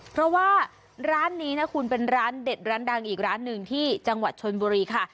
เพราะว่าร้านนี้นะคุณเป็นร้านเด็ดร้านดังอีกร้านหนึ่งที่จังหวัดชนบุรีค่ะ